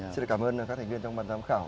xin cảm ơn các thành viên trong ban giám khảo